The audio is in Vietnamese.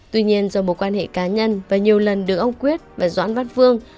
tuy nhiên do một quan hệ cá nhân và nhiều lần được ông quyết và doãn văn phương